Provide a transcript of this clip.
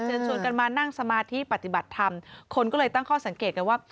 ชวนกันมานั่งสมาธิปฏิบัติธรรมคนก็เลยตั้งข้อสังเกตกันว่า